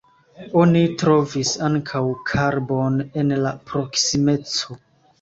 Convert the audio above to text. Oni trovis ankaŭ karbon en la proksimeco.